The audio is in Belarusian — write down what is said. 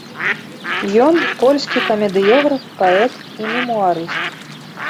Ён польскі камедыёграф, паэт і мемуарыст.